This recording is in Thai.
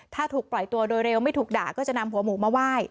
ถ้าถูกปล่อยตัวโดยเร็วไม่ถูกด่าก็จะนำหัวหมูมาไหว้